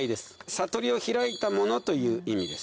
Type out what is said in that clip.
悟りを開いた者という意味です。